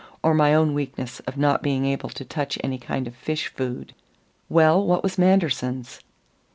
or my own weakness of not being able to touch any kind of fish food." "Well, what was Manderson's?"